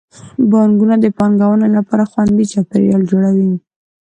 بانکونه د پانګونې لپاره خوندي چاپیریال جوړوي.